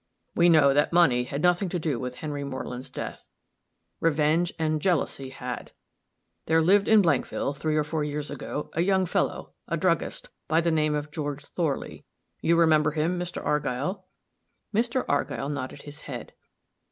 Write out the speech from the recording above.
We know that money had nothing to do with Henry Moreland's death revenge and jealousy had. There lived in Blankville three or four years ago, a young fellow, a druggist, by the name of George Thorley; you remember him, Mr. Argyll?" Mr. Argyll nodded his head.